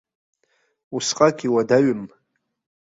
Усҟак иуадаҩым.